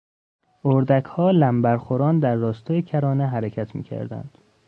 اردکها لمبر خوران در راستای کرانه حرکت میکردند.